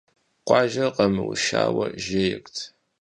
Къуажэр къэмыушауэ жейрт.